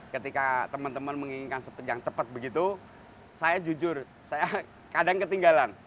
ketika teman teman menginginkan yang cepat begitu saya jujur saya kadang ketinggalan